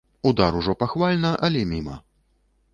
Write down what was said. Удар ужо пахвальна, але міма.